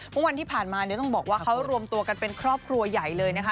วันที่ผ่านมาเนี่ยต้องบอกว่าเขารวมตัวกันเป็นครอบครัวใหญ่เลยนะคะ